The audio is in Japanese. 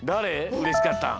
うれしかったん。